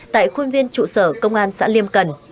tại khuôn viên trụ sở công an xã liêm cần